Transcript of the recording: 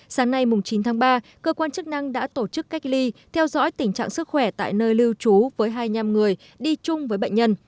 sáng nay chín tháng ba cơ quan chức năng đã tổ chức cách ly theo dõi tình trạng sức khỏe tại nơi lưu trú với hai mươi năm người đi chung với bệnh nhân